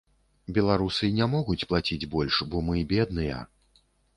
Беларусы не могуць плаціць больш, бо мы бедныя.